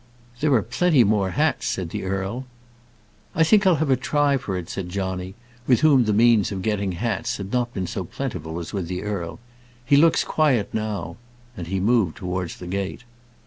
"There are plenty more hats," said the earl. "I think I'll have a try for it," said Johnny, with whom the means of getting hats had not been so plentiful as with the earl. "He looks quiet now." And he moved towards the gate.